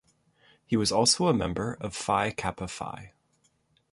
He was also a member of Phi Kappa Phi.